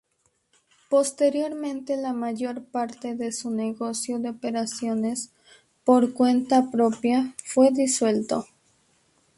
Posteriormente la mayor parte de su negocio de operaciones por cuenta propia fue disuelto.